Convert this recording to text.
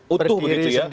utuh begitu ya